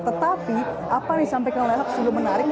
tetapi apa yang disampaikan oleh ahok sungguh menarik